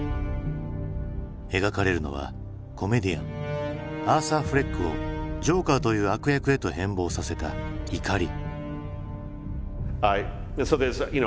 描かれるのはコメディアンアーサー・フレックを「ジョーカー」という悪役へと変貌させた「怒り」。